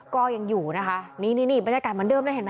ก็ยังอยู่นะคะนี่นี่บรรยากาศเหมือนเดิมเลยเห็นไหม